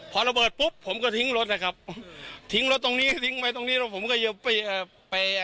พอระเบิดปุ๊บผมก็ทิ้งรถนะครับทิ้งรถตรงนี้ทิ้งไว้ตรงนี้แล้วผมก็จะไปเอ่อไป